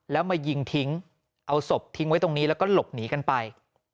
แล้วมายิงทิ้งเอาศพทิ้งไว้ตรงนี้แล้วก็หลบหนีกันไป